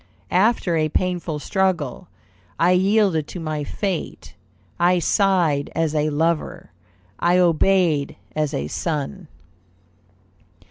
After a painful struggle, I yielded to my fate; I sighed as a lover; I obeyed as a son."